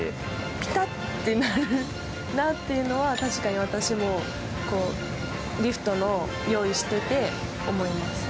ピタッてなるなというのは確かに私もリフトの用意をしていて思います。